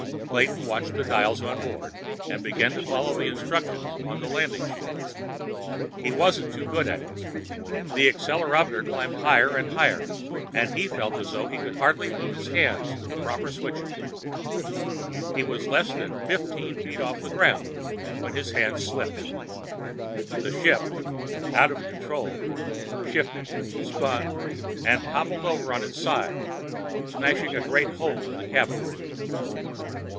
Clayton watched the dials on the board, and began to follow the instructions on the landing sheet. He wasn't too good at it. The accelerometer climbed higher and higher, and he felt as though he could hardly move his hands to the proper switches. He was less than fifteen feet off the ground when his hand slipped. The ship, out of control, shifted, spun, and toppled over on its side, smashing a great hole in the cabin.